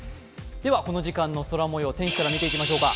この時間の空もよう、天気から見ていきましょうか。